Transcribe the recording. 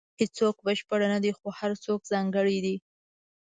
• هیڅوک بشپړ نه دی، خو هر څوک ځانګړی دی.